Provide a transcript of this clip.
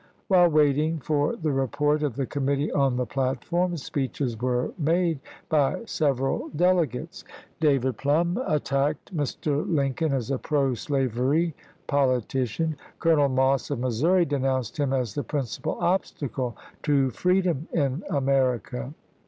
While waiting for the report of the committee on the platform, speeches were made by several delegates. David Plumb attacked Mr. Lincoln as a pro slavery poli tician. Colonel Moss of Missouri denounced him as the principal obstacle to freedom in America.